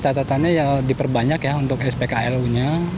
catatannya diperbanyak untuk spklu nya